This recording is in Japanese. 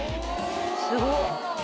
すごっ。